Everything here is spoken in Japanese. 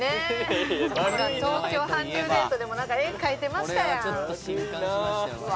ほら「東京韓流デート」でも絵描いてましたやんうわ